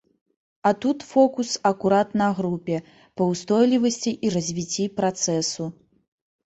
А тут фокус акурат на групе, на ўстойлівасці і развіцці працэсу.